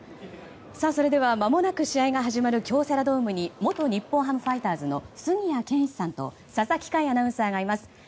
それでは、まもなく試合が始まる京セラドームに元日本ハムファイターズの杉谷拳士さんと佐々木快アナウンサーがいます。